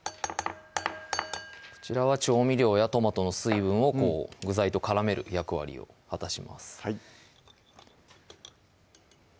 こちらは調味料やトマトの水分を具材と絡める役割を果たしますはい